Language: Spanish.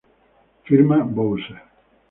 Firma: Bowser.